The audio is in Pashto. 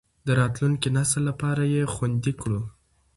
د راتلونکي نسل لپاره یې خوندي کړو.